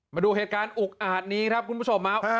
มาดูเหตุการณ์อุกอาจนี้ครับคุณผู้ชม